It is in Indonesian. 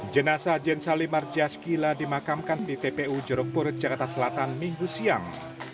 jenasa jane salimar jaskila dimakamkan di tpu jeruk purut jakarta selatan minggu siang